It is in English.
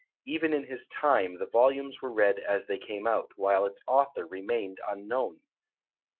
Even in his time the volumes were read as they came out, while its author remained unknown.